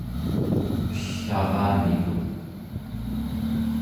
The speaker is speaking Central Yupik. ell'aramikun